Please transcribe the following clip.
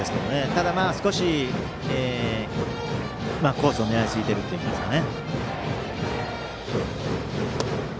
ただ、少しコースを狙いすぎているといいますか。